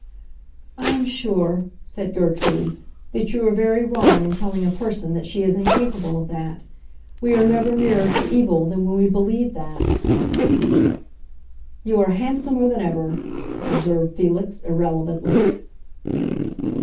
"I am sure," said Gertrude, "that you are very wrong in telling a person that she is incapable of that. We are never nearer to evil than when we believe that." "You are handsomer than ever," observed Felix, irrelevantly.